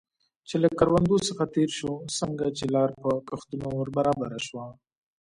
چې له کروندو څخه تېر شو، څنګه چې لار په کښتونو ور برابره شوه.